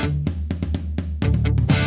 aku mau ke sana